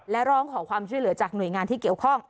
และร้องขอความช่วยเหลือจากหน่วยงานที่เกี่ยวข้อง